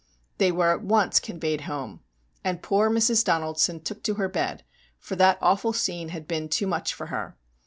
They were at once conveyed home, and poor Mrs. Donaldson took to her bed, for that awful scene had been too much for her.